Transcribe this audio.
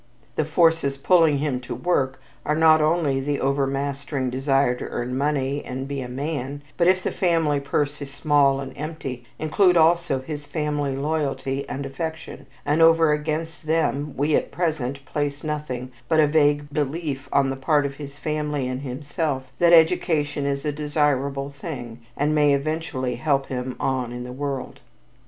The forces pulling him to "work" are not only the overmastering desire to earn money and be a man, but, if the family purse is small and empty, include also his family loyalty and affection, and over against them, we at present place nothing but a vague belief on the part of his family and himself that education is a desirable thing and may eventually help him "on in the world."